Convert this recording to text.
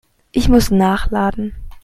Ich muss nachladen.